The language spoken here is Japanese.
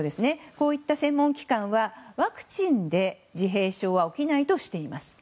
こういった専門機関はワクチンで自閉症は起きないとしています。